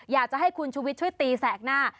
อยากจะให้คุณชุวิตช่วยตีแสกหน้า